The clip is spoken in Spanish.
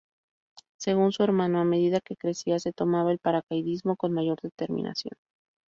Según su hermano, a medida que crecía, se tomaba el paracaidismo con "mayor determinación".